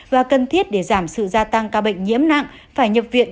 và cần thiết để giảm sự gia tăng ca bệnh nhiễm nặng phải nhập viện